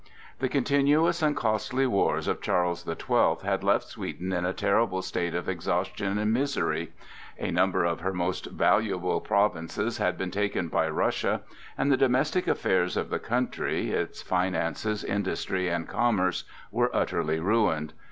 The continuous and costly wars of Charles the Twelfth had left Sweden in a terrible state of exhaustion and misery. A number of her most valuable provinces had been taken by Russia, and the domestic affairs of the country, its finances, industry and commerce were utterly ruined.